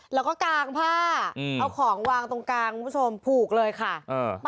แล้วก็กางพ่าเอาของวางตรงกลางพูดชม